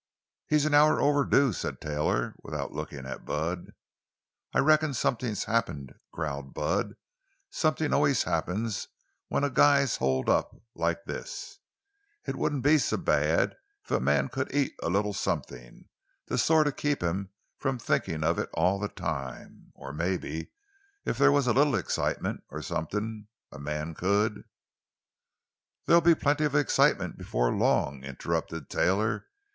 "He's an hour overdue," said Taylor, without looking at Bud. "I reckon somethin's happened," growled Bud. "Somethin' always happens when a guy's holed up, like this. It wouldn't be so bad if a man could eat a little somethin'—to sort of keep him from thinkin' of it all the time. Or, mebbe, if there was a little excitement—or somethin'. A man could——" "There'll be plenty of excitement before long," interrupted Taylor.